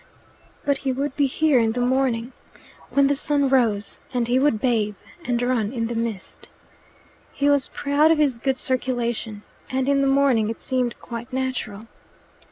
But he would be here in the morning when the sun rose, and he would bathe, and run in the mist. He was proud of his good circulation, and in the morning it seemed quite natural.